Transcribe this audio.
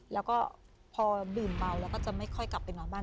แล้วก็พอดื่มเบาแล้วก็จะไม่ค่อยกลับไปนอนบ้าน